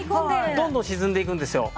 どんどん沈んでいくんですよ。